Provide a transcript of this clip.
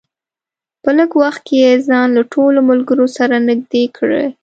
په لږ وخت کې یې ځان له ټولو ملګرو سره نږدې کړی.